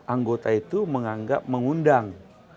anggota itu menganggap mengundang